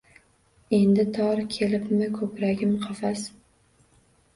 Endi tor kelibmi ko‘kragim — qafas